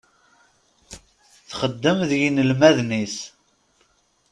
Texdem d yinelmaden-is.